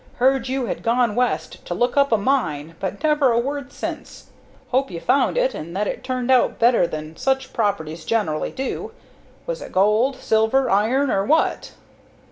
Heard you had gone West to look up a mine, but never a word since. Hope you found it and that it turned out better than such properties generally do. Was it gold, silver, iron, or what?"